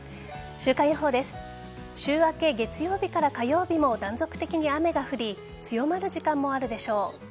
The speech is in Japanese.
週明け月曜日から火曜日も断続的に雨が降り強まる時間もあるでしょう。